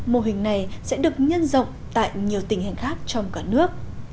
mô hình này sẽ được nhân rộng tại nhiều tình hình khác trong cả nước